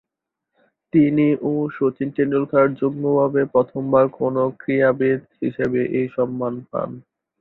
তিনি ও শচীন তেন্ডুলকর যুগ্মভাবে প্রথমবার কোনো ক্রীড়াবিদ হিসেবে এই সম্মান পান।